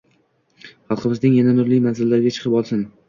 Xalqimizning yana nurli manzillarga chiqib olsin